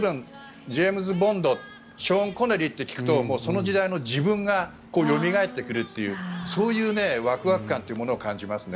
ジェームズ・ボンドショーン・コネリーって聞くとその時代の自分がよみがえってくるというそういうワクワク感というものを感じますね。